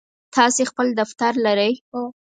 تاسی خپل دفتر لرئ؟